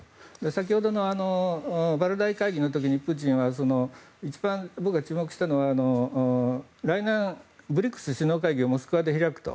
先ほどのバルダイ会議の時にプーチンが一番、僕が注目したのは来年、ＢＲＩＣＳ首脳会議をモスクワで開くと。